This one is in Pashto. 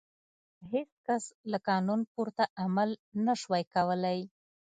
هېڅ کس له قانون پورته عمل نه شوای کولای.